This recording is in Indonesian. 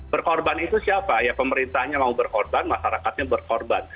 berkorban itu siapa ya pemerintahnya mau berkorban masyarakatnya berkorban